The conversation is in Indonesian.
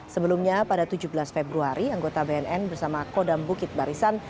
sebelumnya pada tujuh belas februari anggota bnn bersama kodam bukit barisan